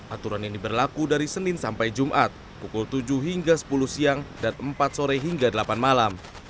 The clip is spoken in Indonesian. aturan ini berlaku dari senin sampai jumat pukul tujuh hingga sepuluh siang dan empat sore hingga delapan malam